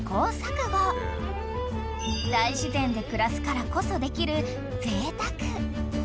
［大自然で暮らすからこそできるぜいたく］